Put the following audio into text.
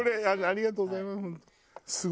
ありがとうございます。